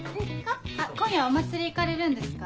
今夜お祭り行かれるんですか？